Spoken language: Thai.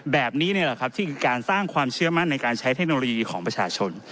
แบบนี้นี่แหละครับที่คือการสร้างความเชื่อมั่นในการใช้เทคโนโลยีของประชาชน